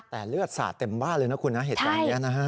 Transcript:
แต่เลือดสาดเต็มบ้านเลยนะคุณนะเหตุการณ์นี้นะฮะ